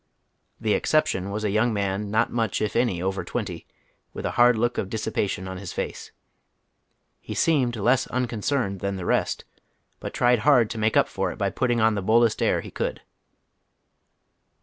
The exception was a young irian not much if any over twenty, with a hard jook of dissipation on his face. He seemed less niicou cerned than the rest, but tried hard to make up for it by putting on the boldest air he could.